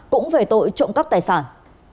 cũng về tội trộm cấp tài sản